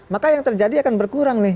maka yang terjadi akan berkurang nih